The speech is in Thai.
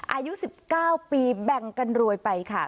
อายุ๑๙ปีแบ่งกันรวยไปค่ะ